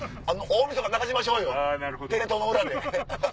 大みそか流しましょうよテレ東の裏で。